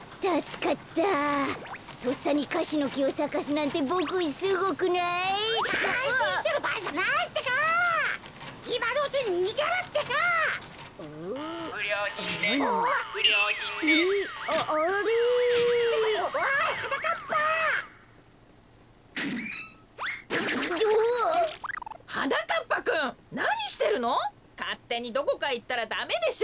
かってにどこかへいったらダメでしょ！